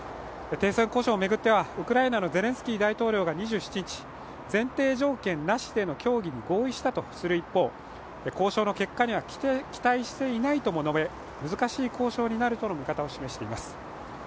停戦交渉を巡ってはウクライナのゼレンスキー大統領が２７日、前提条件なしでの交渉に合意したとする一方交渉の結果には期待していないとも述べ、難しい交渉になるとの見方を示しています。